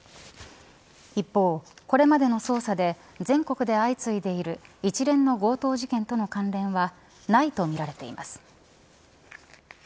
一方、これまでの捜査で全国で相次いでいる一連の強盗事件との関連はないとみられています。